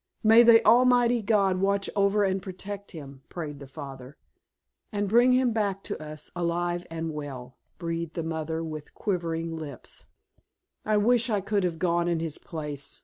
"May the Almighty Father watch over and protect him," prayed the father. "And bring him back to us alive and well," breathed the mother with quivering lips. "I wish that I could have gone in his place!"